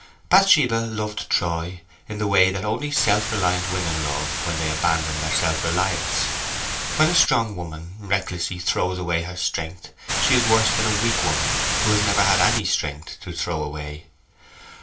Bathsheba loved Troy in the way that only self reliant women love when they abandon their self reliance. When a strong woman recklessly throws away her strength she is worse than a weak woman who has never had any strength to throw away.